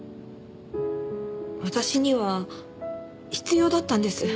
私には必要だったんです。